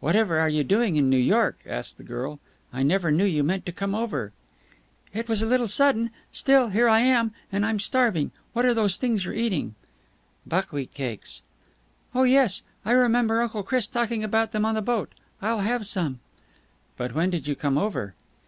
"Whatever are you doing in New York?" asked the girl. "I never knew you meant to come over." "It was a little sudden. Still, here I am. And I'm starving. What are those things you're eating?" "Buckwheat cakes." "Oh, yes. I remember Uncle Chris talking about them on the boat. I'll have some." "But when did you come over?"